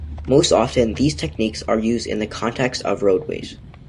Most often, these techniques are used in the context of roadways.